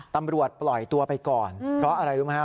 ตำรวจปล่อยตัวไปก่อนเพราะอะไรรู้ไหมฮะ